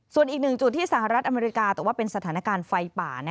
ส่วนอีกหนึ่งจุดที่สหรัฐอเมริกาแต่ว่าเป็นสถานการณ์ไฟป่า